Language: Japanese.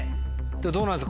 どうなんですか？